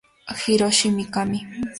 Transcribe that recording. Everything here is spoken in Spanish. Hiroshi Mikami